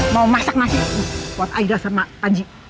mau masak nasi buat aida sama panji